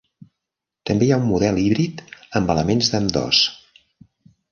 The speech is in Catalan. També hi ha un model híbrid amb elements d'ambdós.